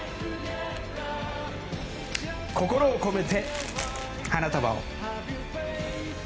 心を込めて花束を。